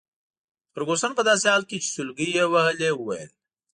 فرګوسن په داسي حال کي چي سلګۍ يې وهلې وویل.